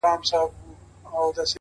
پر خوله باندي لاس نيسم و هوا ته درېږم”